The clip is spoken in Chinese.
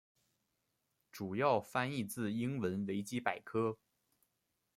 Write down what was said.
主要翻译自英文维基百科。